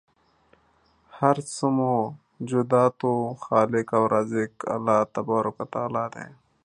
د هر څه موجوداتو خالق او رازق الله تبارک و تعالی دی